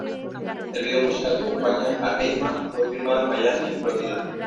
El vídeo musical que acompaña a "Hey Ma" fue filmado en Miami, Florida.